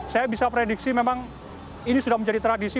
saya bisa prediksi memang ini sudah menjadi tradisi